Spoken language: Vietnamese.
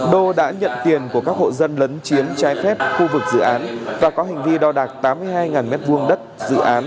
đô đã nhận tiền của các hộ dân lấn chiếm trái phép khu vực dự án và có hành vi đo đạc tám mươi hai m hai đất dự án